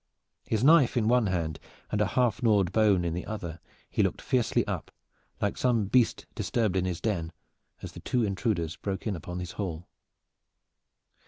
His knife in one hand and a half gnawed bone in the other, he looked fiercely up, like some beast disturbed in his den, as the two intruders broke in upon his hall.